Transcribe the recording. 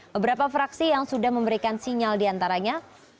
beberapa fraksi yang sudah memberikan sinyal diantaranya